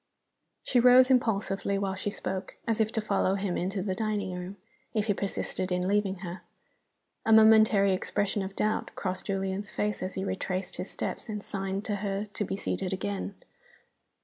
She rose impulsively while she spoke, as if to follow him into the dining room, if he persisted in leaving her. A momentary expression of doubt crossed Julian's face as he retraced his steps and signed to her to be seated a gain.